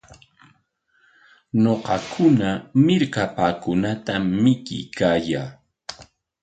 Ñuqakuna millkapaakunatam mikuykaayaa.